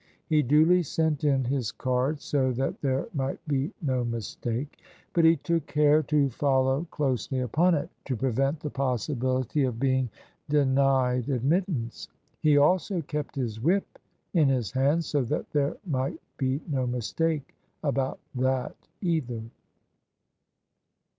He duly sent in his card, so that there might be no mistake : but he took care to follow closely upon it, to prevent the possibility of being THE SUBJECTION denied admittance: he also kept his whip in his hand, so that there might be no mistake about that either.